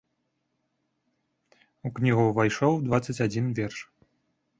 У кнігу ўвайшоў дваццаць адзін верш.